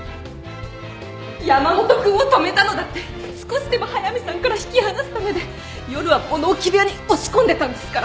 山本君を泊めたのだって少しでも速見さんから引き離すためで夜は物置部屋に押し込んでたんですから。